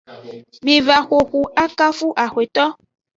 Miva xoxu akafu axweto.